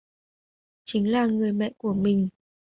Chính là người mẹ của mình